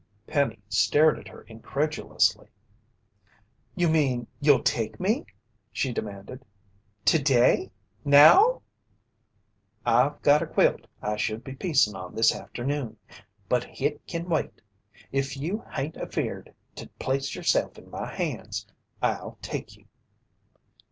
Penny stared at her incredulously. "You mean you'll take me?" she demanded. "Today? Now?" "I've got a quilt I should be piecin' on this afternoon, but hit can wait. If you hain't afeared to place yerself in my hands, I'll take you."